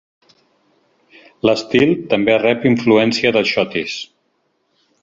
L'estil també rep influència del xotis.